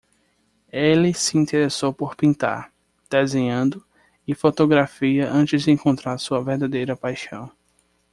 Ele se interessou por pintar? desenhando? e fotografia antes de encontrar sua verdadeira paixão.